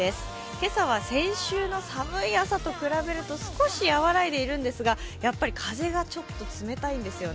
今朝は先週の寒い朝と比べると少し和らいでいるんですがやっぱり風がちょっと冷たいんですよね。